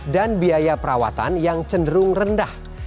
dan biaya perawatan yang cenderung rendah